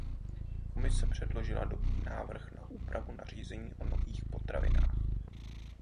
Komise předložila dobrý návrh na úpravu nařízení o nových potravinách.